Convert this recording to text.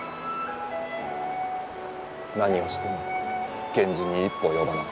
何をしても源氏に一歩及ばない。